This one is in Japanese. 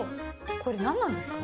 これ何なんですか？